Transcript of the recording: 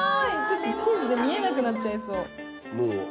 ちょっとチーズで見えなくなっちゃいそう。